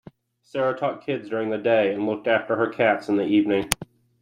Sarah taught kids during the day and looked after her cats in the evening.